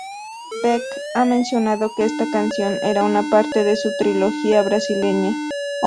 Beck ha mencionado que esta canción era una parte de su "trilogía brasileña".